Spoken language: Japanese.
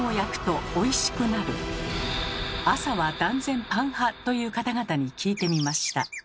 朝は断然パン派という方々に聞いてみました。